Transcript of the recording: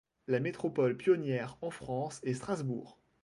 La métropole pionnière en France est Strasbourg.